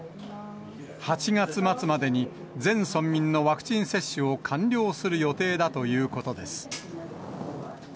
８月末までに全村民のワクチン接種を完了する予定だということです。